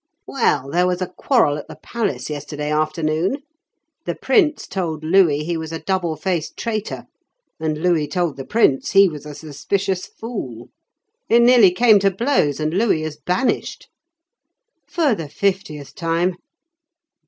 "Well, there was a quarrel at the palace yesterday afternoon. The Prince told Louis he was a double faced traitor, and Louis told the Prince he was a suspicious fool. It nearly came to blows, and Louis is banished." "For the fiftieth time."